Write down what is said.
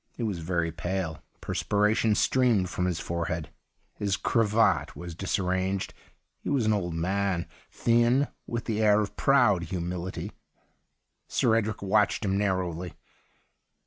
He was very pale ; perspiration streamed from his forehead ; his cravat was disai'ranged. He was an old man, thin, with the air of proud humility. Sir Edric watched him narrowly.